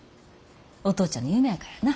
お父ちゃんの夢やからな。